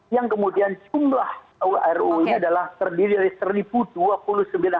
yang kemudian jumlah ruu nya adalah terdiri dari seribu dua puluh sembilan halaman